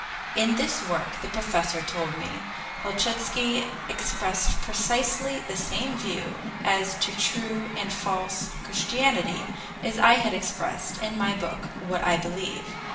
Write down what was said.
In this work, the professor told me, Helchitsky expressed precisely the same view as to true and false Christianity as I had expressed in my book "What I Believe."